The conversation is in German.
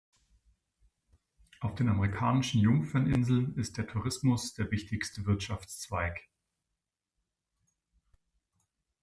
Auf den Amerikanischen Jungferninseln ist der Tourismus der wichtigste Wirtschaftszweig.